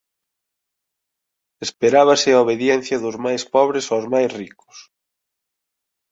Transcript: Esperábase a obediencia dos máis pobres aos máis ricos.